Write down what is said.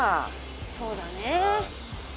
そうだね。